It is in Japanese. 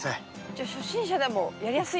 じゃあ初心者でもやりやすい？